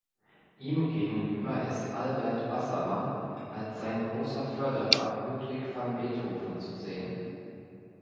Ihm gegenüber ist Albert Bassermann als sein großer Förderer Ludwig van Beethoven zu sehen.